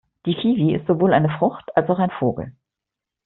Die Kiwi ist sowohl eine Frucht, als auch ein Vogel.